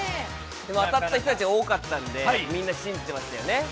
当たった人たちは多かったので、みんな信じてましたよね。